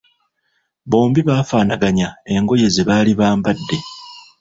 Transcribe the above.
Bombi bafaanaganya engoye ze baali bambadde.